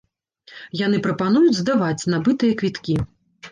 Яны прапануюць здаваць набытыя квіткі.